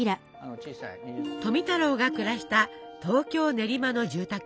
富太郎が暮らした東京練馬の住宅。